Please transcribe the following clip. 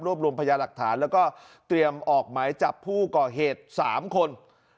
รวมรวมพยาหลักฐานแล้วก็เตรียมออกหมายจับผู้ก่อเหตุ๓คน